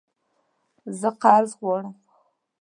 زه قرض غواړم